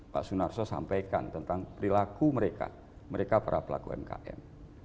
pak sunarso sampaikan tentang perilaku mereka mereka para pelaku umkm